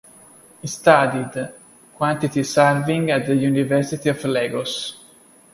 He studied Quantity Surveying at the University of Lagos.